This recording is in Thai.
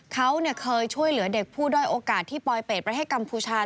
เขาเคยช่วยเหลือเด็กผู้ด้อยโอกาสที่ปลอยเป็ดประเทศกัมพูชา